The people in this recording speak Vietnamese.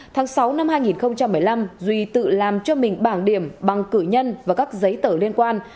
tháng sáu năm hai nghìn một mươi năm duy tự làm cho mình bảng điểm bằng cử nhân và các giấy tờ liên quan